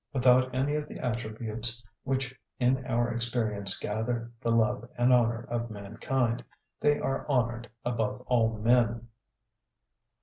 Without any of the attributes which in our experience gather the love and honour of mankind, they are honoured above all men.